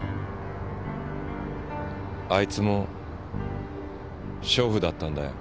あいつも娼婦だったんだよ。